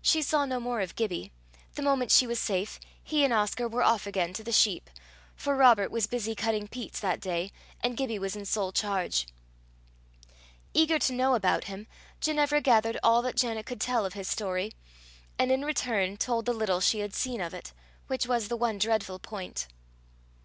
She saw no more of Gibbie: the moment she was safe, he and Oscar were off again to the sheep, for Robert was busy cutting peats that day, and Gibbie was in sole charge. Eager to know about him, Ginevra gathered all that Janet could tell of his story, and in return told the little she had seen of it, which was the one dreadful point.